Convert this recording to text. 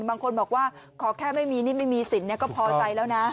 บางคนบอกว่าขอแค่ไม่มีหนี้ไม่มีสินก็พอใจแล้วนะ